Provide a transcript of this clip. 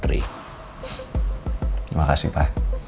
terima kasih pa